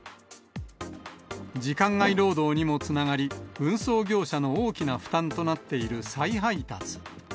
時間外労働にもつながり、運送業者の大きな負担となっている再配達。